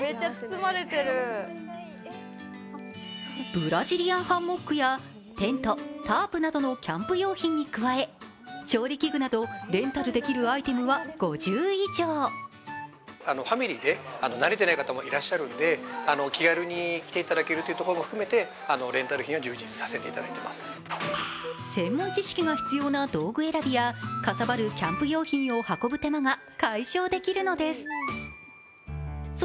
ブラジリアンハンモックやテント、タープなどのキャンプ用品に加え、調理器具などレンタルできるアイテムは５０以上専門知識が必要な道具選びやかさばるキャンプ用品を運ぶ手間が解消できるのです。